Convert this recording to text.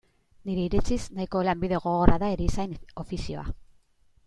Nire iritziz, nahiko lanbide gogorra da erizain ofizioa.